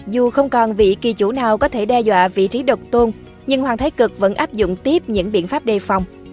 dù không còn vị kỳ chủ nào có thể đe dọa vị trí độc tôn nhưng hoàng thái cực vẫn áp dụng tiếp những biện pháp đề phòng